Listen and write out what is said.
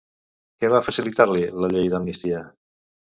Què va facilitar-li la Llei d'Amnistia?